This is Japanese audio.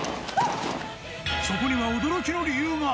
そこには驚きの理由が。